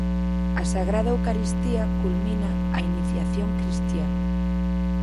A Sagrada Eucaristía culmina a iniciación cristiá.